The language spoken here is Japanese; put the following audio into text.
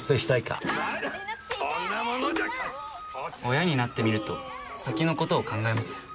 親になってみると先の事を考えます。